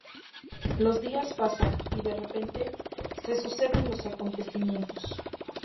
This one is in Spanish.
Los días pasan, y de repente se suceden los acontecimientos.